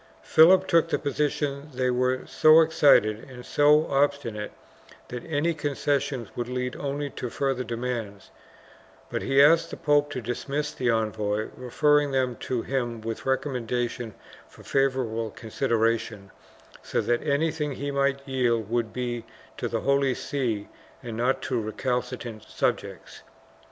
Philip took the position that they were so excited and so obstinate that anj^ concessions would lead only to further demands, but he asked the pope to dismiss the envoys, referring them to him with recommendation for favor able consideration, so that anything that he might yield would be to the Holy See and not to recalcitrant subjects.